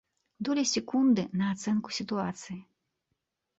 Долі секунды на ацэнку сітуацыі.